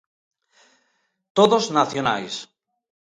Todos nacionais.